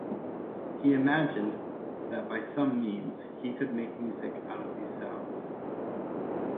He imagined that by some means he could make music out of these sounds.